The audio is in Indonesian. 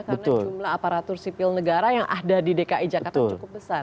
karena jumlah aparatur sipil negara yang ada di dki jakarta cukup besar